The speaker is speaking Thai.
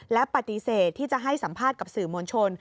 และปฏิเสธที่จะให้สัมภาษณ์กับสื่อมวลชน